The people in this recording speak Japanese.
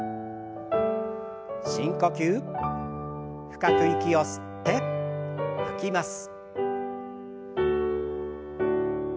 深く息を吸って吐きます。